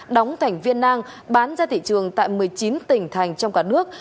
đóng thành viên nang bán ra thị trường tại một mươi chín tỉnh thành trong cả nước